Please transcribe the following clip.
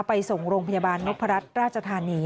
ไปส่งโรงพยาบาลนพรัชราชธานี